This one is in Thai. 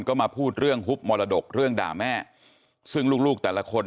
ก็มาพูดเรื่องฮุบมรดกเรื่องด่าแม่ซึ่งลูกลูกแต่ละคน